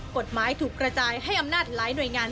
กฎหมายถูกกระจายให้อำนาจหลายหน่วยงาน